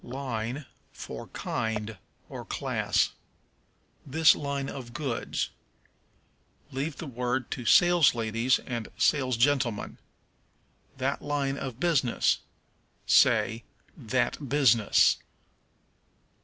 Line for Kind, or Class. "This line of goods." Leave the word to "salesladies" and "salesgentlemen." "That line of business." Say, that business.